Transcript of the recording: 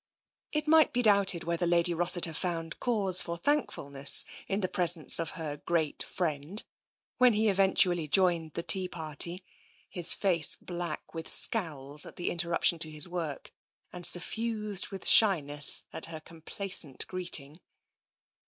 It might be doubted whether Lady Rossiter found cause for thankfulness in the presence of her great friend when he eventually joined the tea party, his face black with scowls at the interruption to his work and suffused with shyness at her complacent greeting.